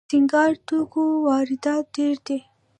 د سینګار توکو واردات ډیر دي